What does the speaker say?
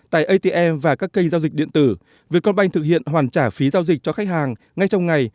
tại atm và các kênh giao dịch điện tử việt công banh thực hiện hoàn trả phí giao dịch cho khách hàng ngay trong ngày